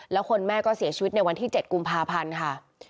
แล้วคนแม่ก็เสียชีวิตในวันที่๗กุมภาพันธ์ค่ะ